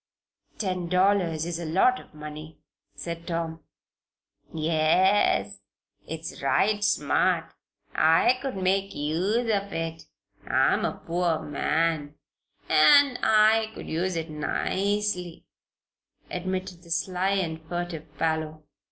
"Ten dollars is a lot of money," said Tom. "Yes. It's right smart. I could make use of it I'm a poor man, an' I could use it nicely," admitted the sly and furtive Parloe.